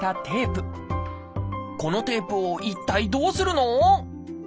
このテープを一体どうするの？